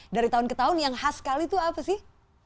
dari tahun ke tahun yang khas sekali itu apa sih